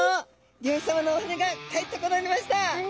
漁師さまのお船が帰ってこられました。